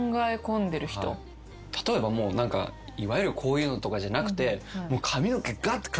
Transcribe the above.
例えばいわゆるこういうのとかじゃなくて。